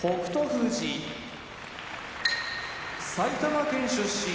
富士埼玉県出身